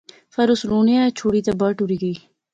فیر اس رونیا ایہہ چھوڑی تے باہر ٹری گئی